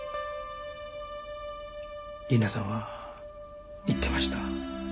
理奈さんは言ってました。